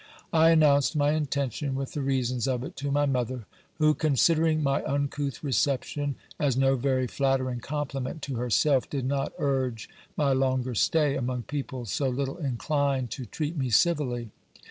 I announced my intention, with the reasons of it, to my mother, who, considering my uncouth reception as no very nattering compliment to herself, did not urge my longer stay among people so little inclined to treat me civilly.